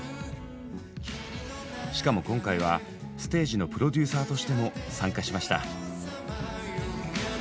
しかも今回はステージのプロデューサーとしても参加しました。